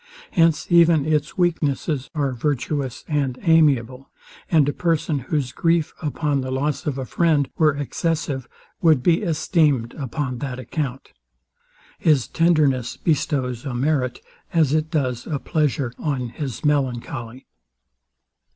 Hence even its weaknesses are virtuous and amiable; and a person, whose grief upon the loss of a friend were excessive, would be esteemed upon that account. His tenderness bestows a merit, as it does a pleasure, on his melancholy.